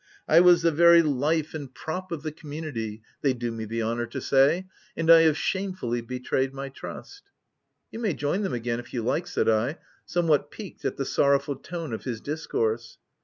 I was the very life and VOL. II. C 26 THE TENANT prop of the community, they do me the honour to say, and I have shamefully betrayed my trust— " "You may join them again, if you like," said I, somewhat piqued at the sorrowful tone of his discourse.